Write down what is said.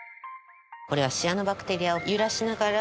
これはシアノバクテリアを揺らしながら。